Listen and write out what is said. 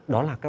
đó là các bạn